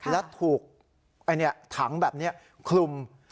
แล้วถูกไอ้เนี่ยถังแบบเนี่ยคลุม